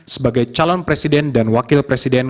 sebagai calon presiden dan wakil presiden